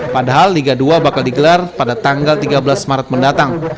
padahal liga dua bakal digelar pada tanggal tiga belas maret mendatang